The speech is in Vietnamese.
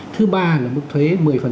thứ ba là mức thuế một mươi